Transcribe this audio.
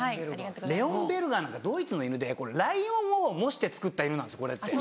レオンベルガーなんかドイツの犬でライオンを模してつくった犬なんですよこれって。